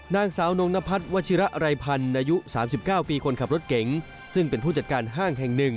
นางสาวนงนพัฒน์วัชิระไรพันธ์อายุ๓๙ปีคนขับรถเก๋งซึ่งเป็นผู้จัดการห้างแห่งหนึ่ง